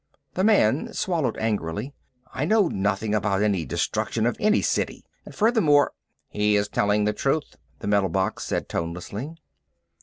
The man swallowed angrily. "I know nothing about any destruction of any city. And furthermore " "He is telling the truth," the metal box said tonelessly.